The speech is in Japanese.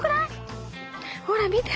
ほら見て！